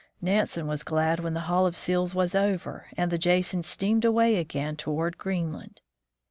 Nansen was glad when the haul of seals was over and the Jason steamed away again toward Greenland.